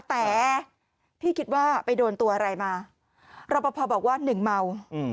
แต่พี่คิดว่าไปโดนตัวอะไรมารอปภบอกว่าหนึ่งเมา